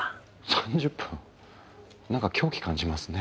３０分なんか狂気感じますね。